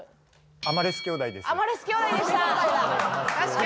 アマレス兄弟でした。